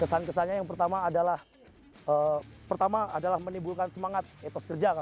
kesan kesannya yang pertama adalah menimbulkan semangat etos kerja